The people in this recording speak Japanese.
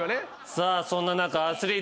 さあそんな中。